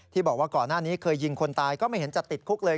บอกว่าก่อนหน้านี้เคยยิงคนตายก็ไม่เห็นจะติดคุกเลย